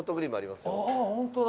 ああホントだ。